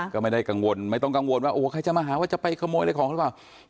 ก็ไม่ได้กังวลไม่ต้องกังวลว่าโอ้ใครจะมาหาว่าจะไปขโมยอะไรของหรือเปล่า